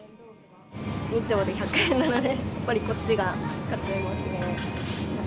２丁で１００円なので、やっぱりこっちが、買っちゃいますね。